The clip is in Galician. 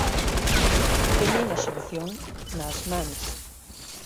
Teñen a solución nas mans.